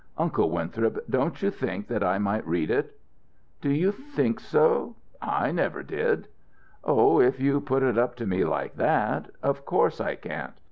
Uncle Winthrop, don't you think that I might read it?" "Do you think so? I never did." "Oh, if you put it up to me like that! Of course I can't.